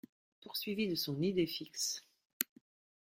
Poursuivi de son idée fixe.